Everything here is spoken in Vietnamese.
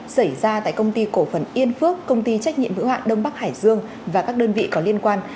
xảy ra tại công ty cổ phần yên phước công ty trách nhiệm hữu hạn đông bắc hải dương và các đơn vị có liên quan